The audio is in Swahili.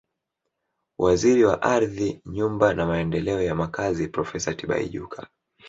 Waziri wa Ardhi Nyumba na Maendeleo ya Makazi Profesa Tibaijuka